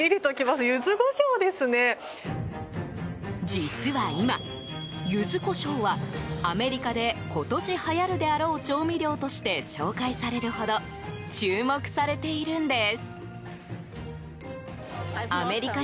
実は今、ユズコショウはアメリカで、今年はやるであろう調味料として紹介されるほど注目されているんです。